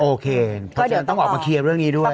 เพราะฉะนั้นต้องออกมาเคลียร์เรื่องนี้ด้วย